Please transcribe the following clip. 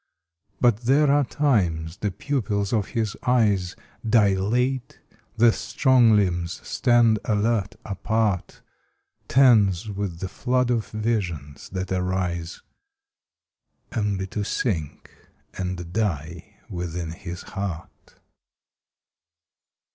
But there are times the pupils of his eyes Dilate, the strong limbs stand alert, apart, Tense with the flood of visions that arise Only to sink and die within his heart.